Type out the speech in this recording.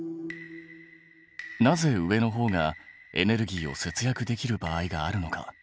なぜ上のほうがエネルギーを節約できる場合があるのか。